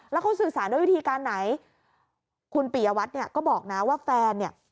แล้วเขาสื่อสารด้วยวิธีการไหนคุณปียวัตรเนี่ยก็บอกนะว่าแฟนเนี่ย